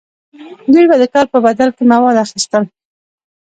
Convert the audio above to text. دوی به د کار په بدل کې مواد اخیستل.